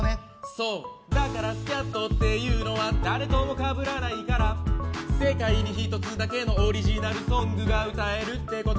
そう、だからスキャットっていうのは誰ともかぶらないから世界に一つだけのオリジナルソングが歌えるってこと。